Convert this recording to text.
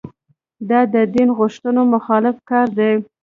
دا د دین غوښتنو مخالف کار دی.